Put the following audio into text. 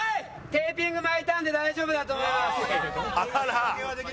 テーピング巻いたんで大丈夫だと思います。